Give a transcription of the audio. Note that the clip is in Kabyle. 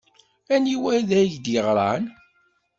Aniwa ay ak-d-yeɣran?